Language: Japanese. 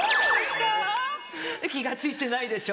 気が付いてないでしょ？